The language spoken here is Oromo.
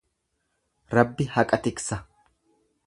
Rabbi haqa tiksa.